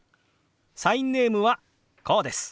サインネームはこうです。